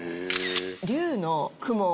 龍の雲を。